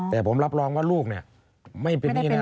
แต่ผมรับรองว่าลูกนี่ไม่ได้เป็นนี่แน่นอน